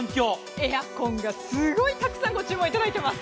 エアコンがすごいたくさんご注文いただいています。